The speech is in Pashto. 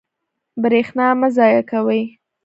برښنا مه ضایع کوئ